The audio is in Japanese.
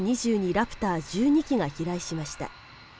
ラプター１２機が飛来しました。